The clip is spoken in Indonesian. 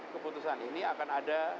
keputusan ini akan ada